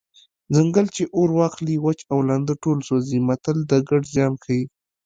ځنګل چې اور واخلي وچ او لانده ټول سوځي متل د ګډ زیان ښيي